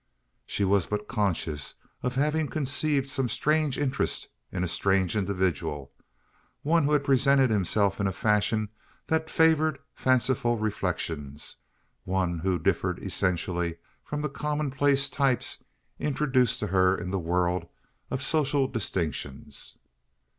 She was but conscious of having conceived some strange interest in a strange individual one who had presented himself in a fashion that favoured fanciful reflections one who differed essentially from the common place types introduced to her in the world of social distinctions.